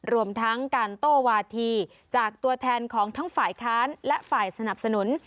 รวมทั้งการโต้วาธีจากตัวแทนของทั้งฝ่ายค้านและฝ่ายสนับสนุน